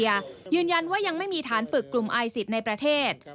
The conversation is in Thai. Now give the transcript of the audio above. ยืนยันว่ายังไม่มีฐานฝึกกลุ่มไอซิสในประเทศ